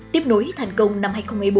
tiếp nối thành công năm hai nghìn một mươi bốn